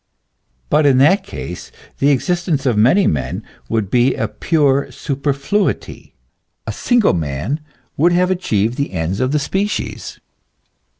But in that case the existence of many men would be a pure superfluity ; a single man would have achieved the ends of the species.